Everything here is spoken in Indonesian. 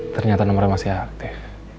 ternyata nomornya masih aktif